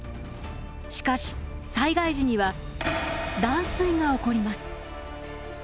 しかし災害時には断水が起こります。